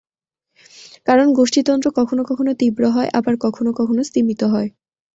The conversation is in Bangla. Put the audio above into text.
কারণ গোষ্ঠীতন্ত্র কখনো কখনো তীব্র হয়, আবার কখনো কখনো স্তিমিত হয়।